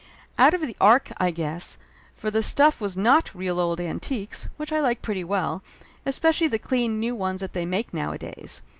Out of the ark, I guess, for the stuff was not real old antiques, which I like pretty well, especially the clean new ones that they make nowadays.